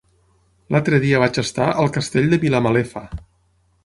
L'altre dia vaig estar al Castell de Vilamalefa.